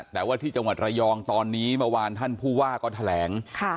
แต่ว่าที่จังหวัดระยองตอนนี้เมื่อวานท่านผู้ว่าก็แถลง